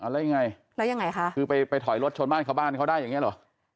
แล้วยังไงคือไปถอยรถชนบ้านเข้าบ้านเขาได้อย่างนี้เหรอ